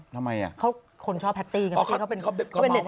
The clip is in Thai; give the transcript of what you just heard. ทำไมแล้ว